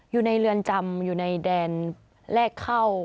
อยู่ในเรือนจำอยู่ในแดนแรกเข้า